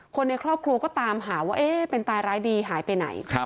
คนในครอบครัวก็ตามหาว่าเป็นตายร้ายดีหายไปไหน